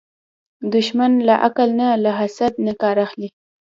دښمن له عقل نه، له حسد نه کار اخلي